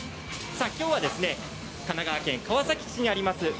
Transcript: きょうは神奈川県川崎市にあります